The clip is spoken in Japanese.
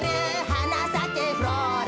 「はなさけフローラ」